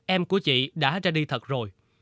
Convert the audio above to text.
em của chị đã ra đi thật rồi